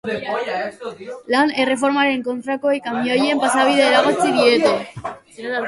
Lan erreformaren kontrakoek kamioien pasabidea eragotzi diete.